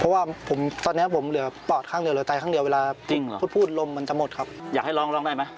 ว่าเรายังมีพลังอย่าหยุดอย่าง